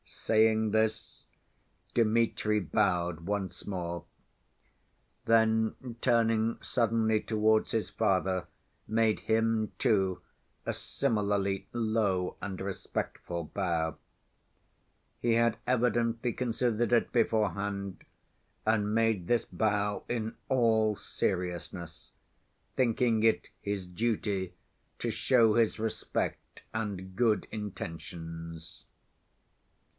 Saying this, Dmitri bowed once more. Then, turning suddenly towards his father, made him, too, a similarly low and respectful bow. He had evidently considered it beforehand, and made this bow in all seriousness, thinking it his duty to show his respect and good intentions.